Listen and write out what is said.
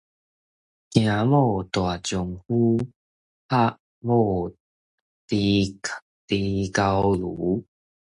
驚某大丈夫，拍某豬狗牛